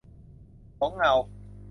หลงเงา